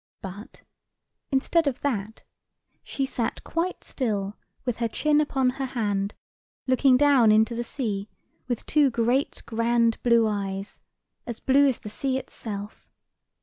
But, instead of that, she sat quite still with her chin upon her hand, looking down into the sea with two great grand blue eyes, as blue as the sea itself.